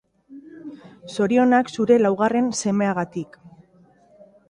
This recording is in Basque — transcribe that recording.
Zorionak zure laugarren semeagatik.